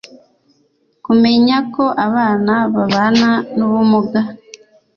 kumenya ko abana babana n'ubumuga